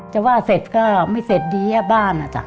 จะว่าเสร็จก็ไม่เสร็จดีบ้านอ่ะจ้ะ